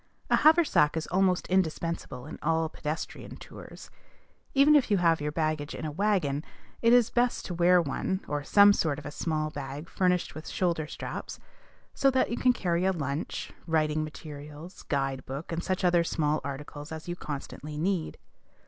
A haversack is almost indispensable in all pedestrian tours. Even if you have your baggage in a wagon, it is best to wear one, or some sort of a small bag furnished with shoulder straps, so that you can carry a lunch, writing materials, guide book, and such other small articles as you constantly need.